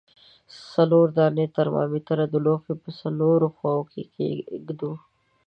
څلور دانې ترمامترونه لوښي په څلورو خواو کې ږدو.